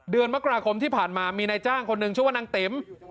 เดือนมกราคมที่ผ่านมามีนายจ้างคนหนึ่งชื่อว่านางติ๋ม